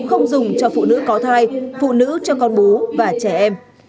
không dùng cho phụ nữ có thai phụ nữ cho con bú và trẻ em